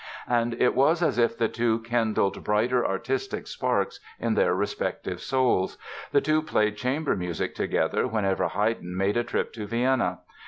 And it was as if the two kindled brighter artistic sparks in their respective souls. The two played chamber music together whenever Haydn made a trip to Vienna.